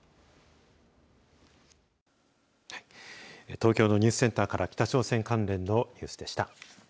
東京のニュースセンターから北朝鮮関連のニュースでした。